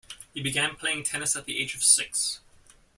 He began playing tennis at the age of six.